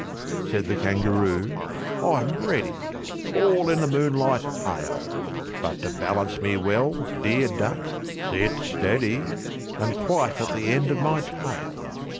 V. Said the Kangaroo, "I'm ready! All in the moonlight pale; But to balance me well, dear Duck, sit steady! And quite at the end of my tail!"